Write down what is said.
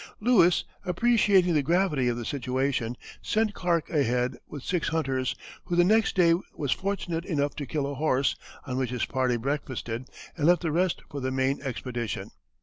Lewis, appreciating the gravity of the situation, sent Clark ahead, with six hunters, who the next day was fortunate enough to kill a horse, on which his party breakfasted and left the rest for the main expedition.